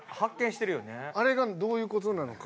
あれがどういう事なのか。